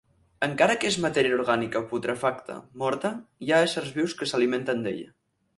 Encara que és matèria orgànica putrefacta, morta, hi ha éssers vius que s'alimenten d'ella.